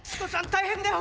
大変だよ！